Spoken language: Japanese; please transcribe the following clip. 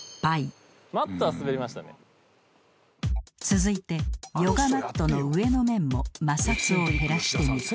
［続いてヨガマットの上の面も摩擦を減らしてみる］